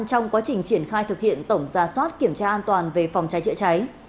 trong quá trình triển khai thực hiện tổng ra soát kiểm tra an toàn về phòng cháy chữa cháy